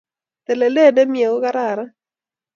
Telelet nemie kokararan